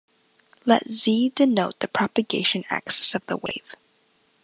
Let "z" denote the propagation axis of the wave.